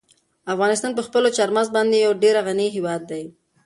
افغانستان په خپلو چار مغز باندې یو ډېر غني هېواد دی.